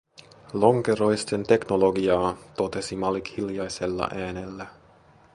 "Lonkeroisten teknologiaa", totesi Malik hiljaisella äänellä.